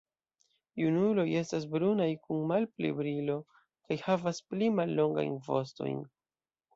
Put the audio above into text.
Junuloj estas brunaj kun malpli brilo kaj havas pli mallongajn vostojn.